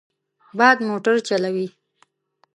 باد موټر چلوي.